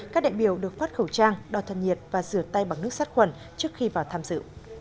các đại biểu được phát khẩu trang đo thân nhiệt và rửa tay bằng nước sát khuẩn trước khi vào tham dự